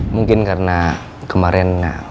mungkin karena kemarin